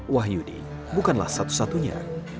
wahyudi bukanlah satu satunya